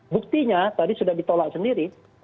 buktinya tadi sudah ditolak sendiri